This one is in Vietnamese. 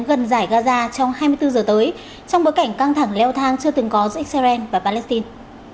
gần giải gaza trong hai mươi bốn giờ tới trong bối cảnh căng thẳng leo thang chưa từng có giữa israel và palestine